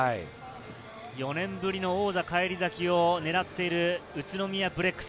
４年ぶりの王者返り咲きを狙っている宇都宮ブレックス。